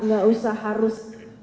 gak usah harus